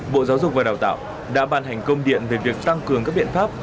bộ giáo dục và đào tạo đã ban hành công điện về việc tăng cường các biện pháp